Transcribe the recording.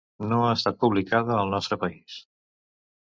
No ha estat publicada al nostre país.